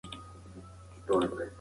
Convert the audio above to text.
د سرې غوښې کمول د ناروغۍ خطر لږوي.